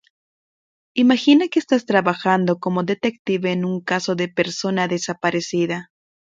Imagina que estás trabajando como detective en un caso de persona desaparecida.